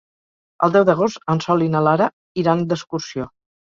El deu d'agost en Sol i na Lara iran d'excursió.